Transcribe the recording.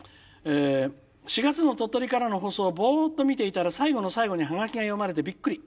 「４月の鳥取からの放送をぼっと見ていたら最後の最後にハガキが読まれてびっくり。